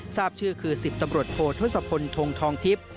ทราบชื่อคือ๑๐ตำรวจโทษทศพลทงทองทิพย์